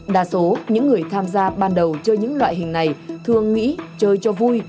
đa số những người tham gia ban đầu chơi những loại hình này thường nghĩ chơi cho vui